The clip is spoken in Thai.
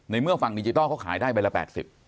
เมื่อฝั่งดิจิทัลเขาขายได้ใบละ๘๐บาท